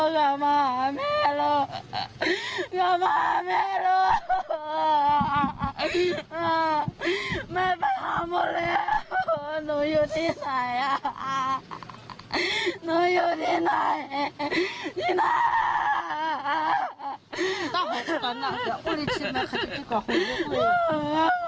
เกิดจะมีใครก็ไม่รู้บ้างนะครับ